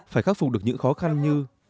phải khắc phục được những khó khăn như